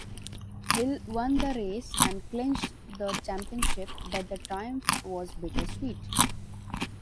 Hill won the race and clinched the championship but the triumph was bittersweet.